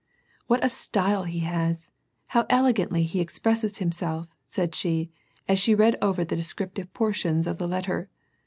"What a style he has ! How elegantly he expresses himself," said she, as she read over the descriptive por tions of the letter.